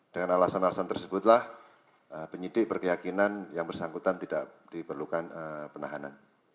dengan alasan alasan tersebutlah penyidik berkeyakinan yang bersangkutan tidak diperlukan penahanan